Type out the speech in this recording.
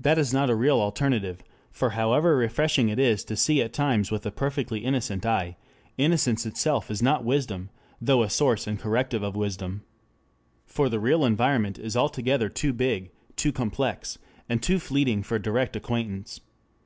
That is not a real alternative, for however refreshing it is to see at times with a perfectly innocent eye, innocence itself is not wisdom, though a source and corrective of wisdom. For the real environment is altogether too big, too complex, and too fleeting for direct acquaintance.